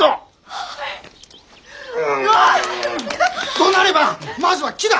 どなればまずは木だ！